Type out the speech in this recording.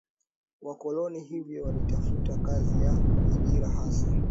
wakoloni hivyo walitafuta kazi ya ajira Hasa